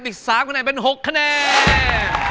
อีก๓คะแนนเป็น๖คะแนน